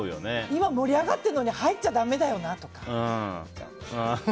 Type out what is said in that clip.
今、盛り上がってるのに入っちゃだめだよなとか。